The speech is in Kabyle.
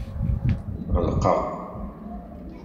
Ɣelqeɣ.